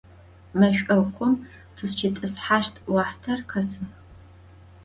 Meş'okum tızşit'ısheşt vuaxhter khesığ.